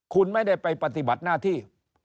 คุณไม่ได้ไปปฏิบัติหน้าที่